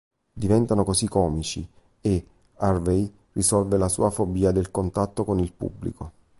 Diventano così comici e Harvey risolve la sua fobia del contatto con il pubblico.